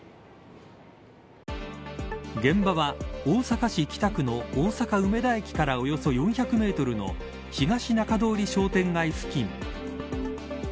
現場は、大阪市北区の大阪梅田駅からおよそ４００メートルのひがし中通り商店街付近。